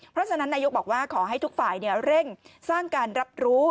เพราะฉะนั้นนายกบอกว่าขอให้ทุกฝ่ายเร่งสร้างการรับรู้